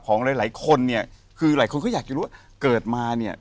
หลายหลายคนเนี่ยคือหลายคนก็อยากจะรู้ว่าเกิดมาเนี่ย